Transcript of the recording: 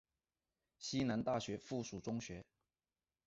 西南大学附属中学。